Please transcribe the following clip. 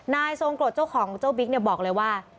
นายทรงโกรธเจ้าของเจ้าบิ๊กบอกเลยว่า